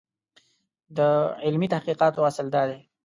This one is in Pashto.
د علمي تحقیقاتو اصل دا دی.